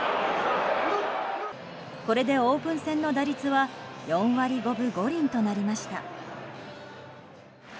これでオープン戦の打率は４割５分５厘となりました。